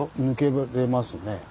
抜けられますね。